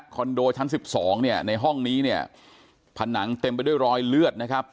โดชั้น๑๒เนี่ยในห้องนี้เนี่ยผนังเต็มไปด้วยรอยเลือดนะครับ